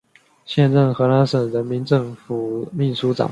现任河南省人民政府秘书长。